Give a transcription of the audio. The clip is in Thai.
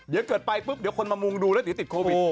เดี๋ยวเกิดไปปุ๊บเดี๋ยวคนมามุงดูแล้วเดี๋ยวติดโควิด